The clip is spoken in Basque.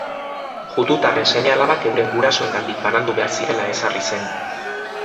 Judutarren seme-alabak euren gurasoengandik banandu behar zirela ezarri zen.